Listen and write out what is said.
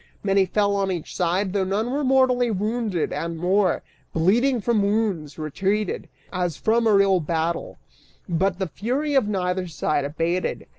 Many fell on each side, though none were mortally wounded, and more, bleeding from wounds, retreated, as from a real battle, but the fury of neither side abated.